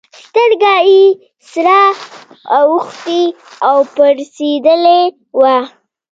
سترگه يې سره اوښتې او پړسېدلې وه.